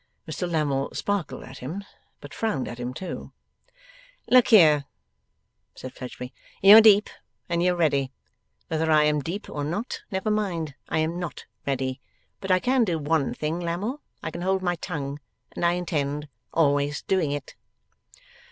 Mr Lammle sparkled at him, but frowned at him too. 'Look here,' said Fledgeby. 'You're deep and you're ready. Whether I am deep or not, never mind. I am not ready. But I can do one thing, Lammle, I can hold my tongue. And I intend always doing it.